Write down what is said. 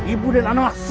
ibu dan anak sama saja